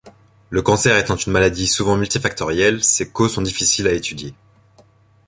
Le cancer étant une maladie souvent multifactorielle, ses causes sont difficiles à étudier.